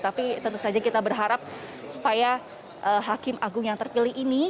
tapi tentu saja kita berharap supaya hakim agung yang terpilih ini